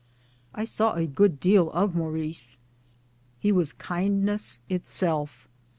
I saw a good deal of Maurice. He was kindness itself.